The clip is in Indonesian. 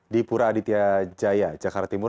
di pura aditya jaya jakarta timur